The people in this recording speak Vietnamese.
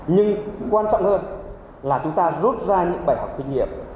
nhưng quan trọng hơn là chúng ta rút ra những bài học kinh nghiệm